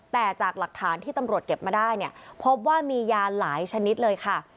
แต่จากหลักฐานที่ตำรวจเก็บมาได้เนี่ยพบว่ามียาหลายชนิดเลยค่ะ